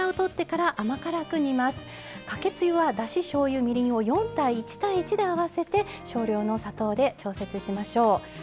かけつゆはだし、しょうゆ、みりんを４：１：１で合わせて少量の砂糖で調節しましょう。